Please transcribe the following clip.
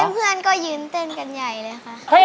เพื่อนก็ยืนเต้นกันใหญ่เลยค่ะ